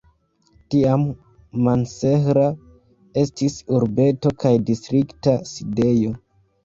Tiam Mansehra estis urbeto kaj distrikta sidejo.